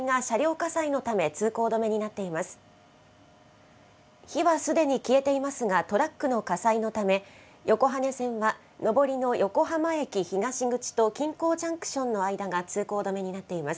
火はすでに消えていますが、トラックの火災のため、横羽線は上りの横浜駅東口と金港ジャンクションの間が通行止めになっています。